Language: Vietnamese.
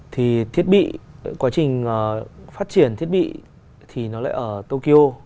thì thiết bị quá trình phát triển thiết bị thì nó lại ở tokyo